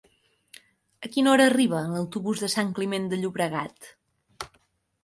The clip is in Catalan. A quina hora arriba l'autobús de Sant Climent de Llobregat?